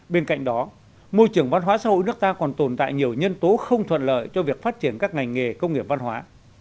bên cạnh đó môi trường văn hóa xã hội nước ta còn tồn tại nhiều nhân tố không thuận lợi cho việc phát triển các ngành nghề công nghiệp văn hóa